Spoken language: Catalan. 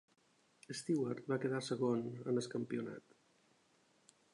Stewart va quedar segon en el campionat.